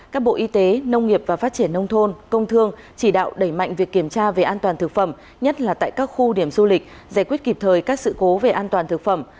các bộ y tế nông nghiệp và phát triển nông thôn công thương chỉ đạo đẩy mạnh việc kiểm tra về an toàn thực phẩm nhất là tại các khu điểm du lịch giải quyết kịp thời các sự cố về an toàn thực phẩm